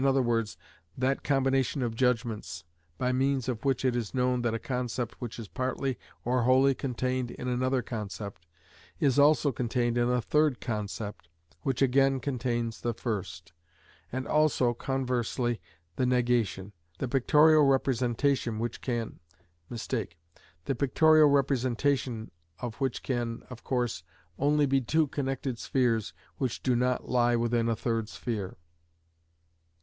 e._, that combination of judgments, by means of which it is known that a concept which is partly or wholly contained in another concept, is also contained in a third concept, which again contains the first: and also, conversely, the negation; the pictorial representation of which can, of course, only be two connected spheres which do not lie within a third sphere.